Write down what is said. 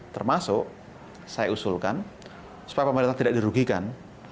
termasuk saya usulkan supaya pemerintah tidak dirugikan